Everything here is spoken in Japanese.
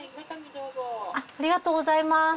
ありがとうございます。